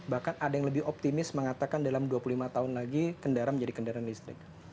bahkan ada yang lebih optimis mengatakan dalam dua puluh lima tahun lagi kendaraan menjadi kendaraan listrik